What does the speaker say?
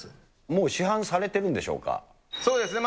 もう市販されてるんでしょうそうですね。